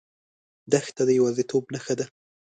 دښته د یوازیتوب نښه ده.